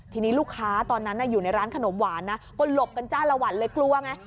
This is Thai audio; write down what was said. ทีนี้ลูกค้าตอนนั้นอยู่ในร้านขนมหวานนะก็หลบกันจ้าละวันเลยกลัวไง